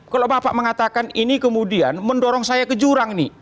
kalau bapak mengatakan ini kemudian mendorong saya ke jurang nih